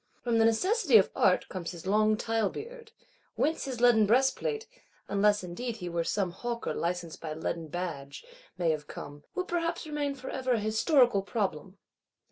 From the necessities of Art comes his long tile beard; whence his leaden breastplate (unless indeed he were some Hawker licensed by leaden badge) may have come,—will perhaps remain for ever a Historical Problem.